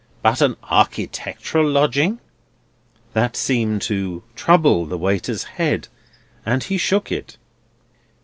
But a architectural lodging!" That seemed to trouble the waiter's head, and he shook it.